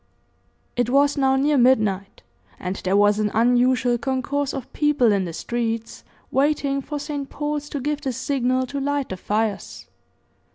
It was now near midnight, and there was an unusual concourse of people in the streets, waiting for St. Paul's to give the signal to light the fires.